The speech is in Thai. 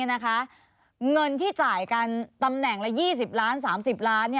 เงินที่จ่ายกันตำแหน่งละ๒๐ล้าน๓๐ล้าน